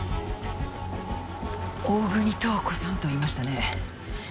大國塔子さんと言いましたね。